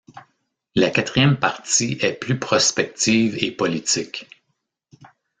La quatrième partie est plus prospective et politique.